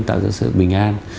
tạo ra sự bình an